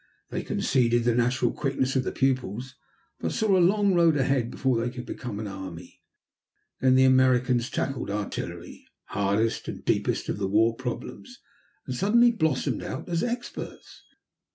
They conceded the natural quickness of the pupils, but saw a long road ahead before they could become an army. Then the Americans tackled artillery, hardest and deepest of the war problems, and suddenly blossomed out as experts.